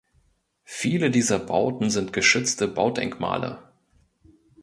Viele dieser Bauten sind geschützte Baudenkmale.